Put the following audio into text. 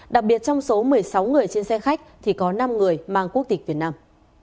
đặc biệt trong số một mươi sáu người trên xe khách thì có năm người mang quốc tịch việt nam